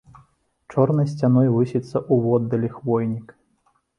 Чорнай сцяной высіцца ўводдалі хвойнік.